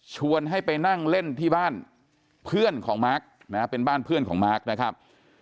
ชวนให้ไปนั่งเล่นที่บ้านเพื่อนของมาร์คนะฮะเป็นบ้านเพื่อนของมาร์คนะครับ